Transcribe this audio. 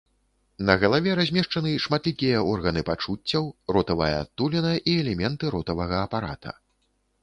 На галаве размешчаны шматлікія органы пачуццяў, ротавая адтуліна і элементы ротавага апарата.